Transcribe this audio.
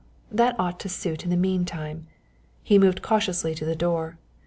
that ought to suit in the mean time. He moved cautiously to the door.